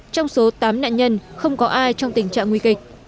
trong số tám nạn nhân không có ai trong tình trạng nguy kịch